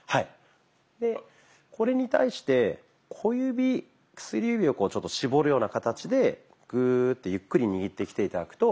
でこれに対して小指薬指をちょっと絞るような形でグーッてゆっくり握ってきて頂くと。